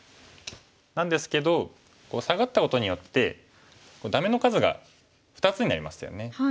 なんですけどサガったことによってダメの数が２つになりましたよね。